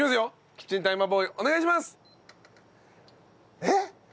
キッチンタイマーボーイお願いします！